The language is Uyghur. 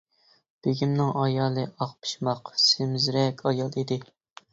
بېگىمنىڭ ئايالى ئاق پىشماق، سېمىزرەك ئايال ئىدى.